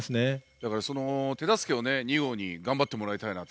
だからその手助けをね２号に頑張ってもらいたいなと。